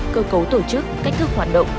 cơ cấu tổ chức cách thức hoạt động